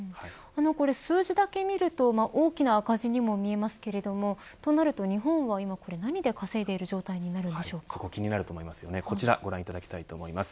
数字だけ見ると大きな赤字にも見えますけれどもとなると日本は今これ何で稼いでる状態にこちらご覧いただきたいと思います。